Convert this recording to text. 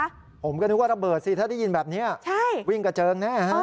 ผมก็นึกว่าระเบิดสิถ้าได้ยินแบบนี้วิ่งกระเจิงแน่ฮะ